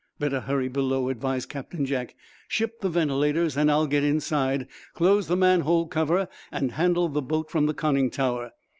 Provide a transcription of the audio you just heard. "Better hurry below," advised Captain Jack. "Ship the ventilators and I'll get inside, close the manhole cover and handle the boat from the conning tower.